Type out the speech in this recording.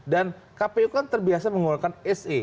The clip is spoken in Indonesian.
dan kpu kan terbiasa menggunakan se